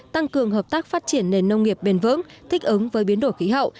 tăng cường hợp tác phát triển nền nông nghiệp bền vững thích ứng với biến đổi khí hậu